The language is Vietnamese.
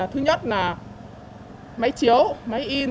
thứ nhất là máy chiếu máy in